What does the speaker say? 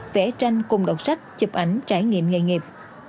vẽ tranh cùng đọc sách chụp ảnh trải nghiệm nghề nghiệp